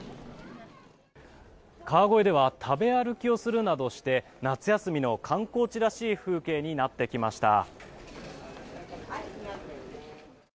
川越では食べ歩きをするなどして夏休みの観光地らしい風景になってきました。